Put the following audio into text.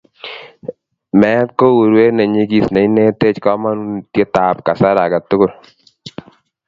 Meet ko urweet ne nyigis ne ineteech komonutietab kasar age tugul.